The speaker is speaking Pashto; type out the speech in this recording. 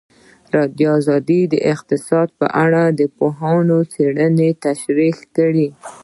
ازادي راډیو د اقتصاد په اړه د پوهانو څېړنې تشریح کړې.